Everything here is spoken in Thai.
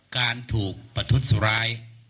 การถูกประทุษร้าย